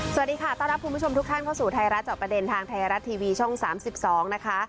สวัสดีค่ะต้อนรับคุณผู้ชมทุกท่านเข้าสู่ไทยรัฐจอบประเด็นทางไทยรัฐทีวีช่อง๓๒นะคะ